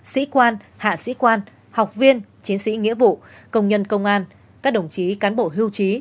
sĩ quan hạ sĩ quan học viên chiến sĩ nghĩa vụ công nhân công an các đồng chí cán bộ hưu trí